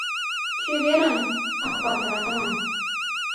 Чеверын, Акпатыр-атаман.